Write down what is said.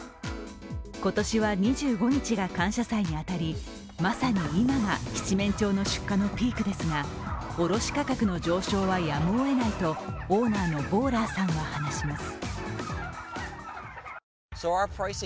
今年は２５日が感謝祭に当たりまさに今が七面鳥の出荷のピークですが卸価格の上昇はやむをえないとオーナーのボーラーさんは話します。